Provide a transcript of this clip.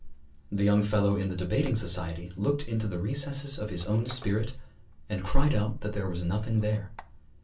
The young fellow in the debating society looked into the recesses of his own spirit, and cried out that there was nothing there.